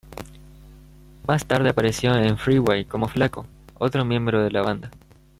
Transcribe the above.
Más tarde apareció en "Freeway" como Flaco, otro miembro de la banda.